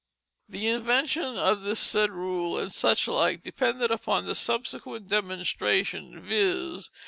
"The invention of the said Rule and such like, dependeth upon the subsequent demonstration, viz.